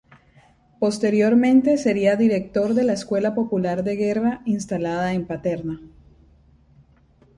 Posteriormente sería director de la Escuela Popular de Guerra instalada en Paterna.